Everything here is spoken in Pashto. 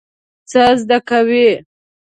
څه زده کوئ؟